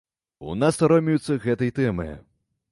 У нас саромеюцца гэтай тэмы.